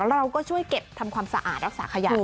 เราก็ช่วยเก็บทำความสะอาดรักษาขยะ